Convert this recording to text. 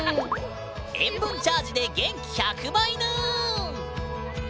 塩分チャージで元気１００倍ぬん！